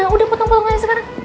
udah potong potong aja sekarang